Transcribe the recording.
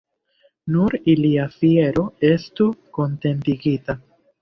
Nur ilia fiero estu kontentigita.